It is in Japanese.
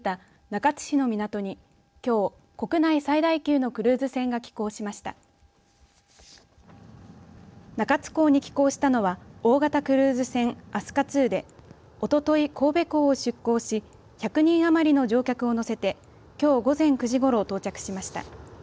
中津港に寄港したのは大型クルーズ船、飛鳥ＩＩでおととい神戸港を出港し１００人余りの乗客を乗せてきょう午前９時ごろ到着しました。